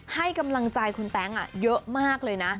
ให้กำลังใจคุณแต๊งเยอะมากเลยนะ